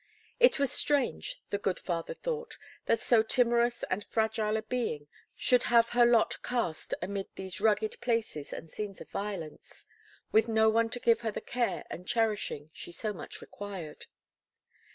It was strange, the good father thought, that so timorous and fragile a being should have her lot cast amid these rugged places and scenes of violence, with no one to give her the care and cherishing she so much required.